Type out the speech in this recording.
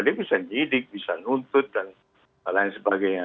dia bisa nyidik bisa nuntut dan lain sebagainya